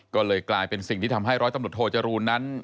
ก็เลยกลายเป็นสิ่งที่ทำให้ร้อยตำรวจโทจรูลนั้น